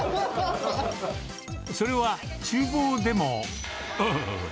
それはちゅう房でも。